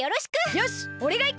よしおれがいく！